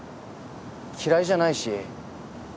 嫌いじゃないし。